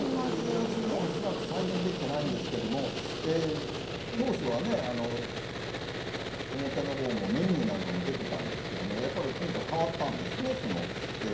同じ味は恐らく再現できてないんですけれども、当初はね、表のほうもメニューなんかも出てたんですけれども、やっぱり今回変わったんですね。